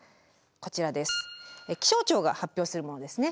気象庁が発表するものですね。